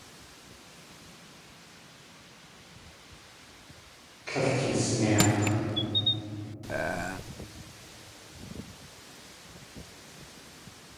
Líl keesnéik̲!